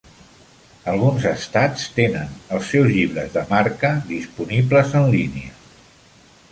Alguns estats tenen els seus llibres de marca disponibles en línia.